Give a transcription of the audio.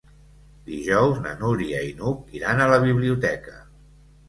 Dijous na Núria i n'Hug iran a la biblioteca.